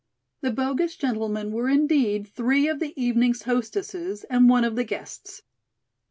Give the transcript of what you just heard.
The bogus gentlemen were indeed three of the evening's hostesses and one of the guests.